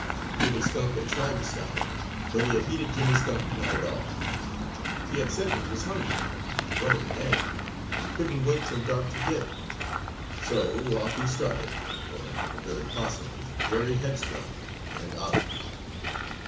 Jimmy Skunk had tried to stop him, but he had heeded Jimmy Skunk not at all. He had said that he was hungry and wanted an egg, and he couldn't wait till dark to get it. So off he had started, for Unc' Billy Possum is very headstrong and obstinate.